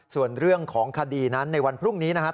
ส่วนเรื่องของคดีนั้นในวันพรุ่งนี้นะครับ